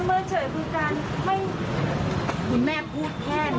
แม่ถามว่ามันต้องมีพฤษีที่ก็กดทรีย์กัน